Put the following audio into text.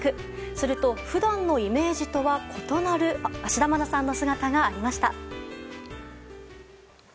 すると普段のイメージとは異なる芦田愛菜さんの姿がありました。